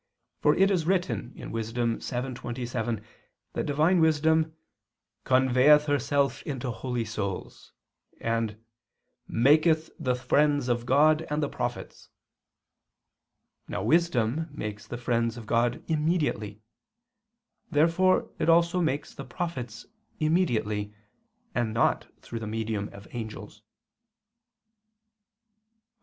For it is written (Wis. 7:27) that Divine wisdom "conveyeth herself into holy souls," and "maketh the friends of God, and the prophets." Now wisdom makes the friends of God immediately. Therefore it also makes the prophets immediately, and not through the medium of the angels. Obj.